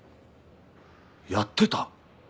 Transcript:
「やってた」。